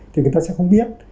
thì người ta sẽ không biết